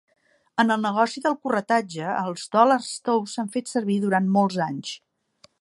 En el negoci del corretatge, els dòlars tous s'han fet servir durant molts anys.